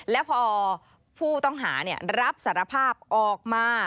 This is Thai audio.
แล้วพอผู้ต้องหารับสารภาพออกมา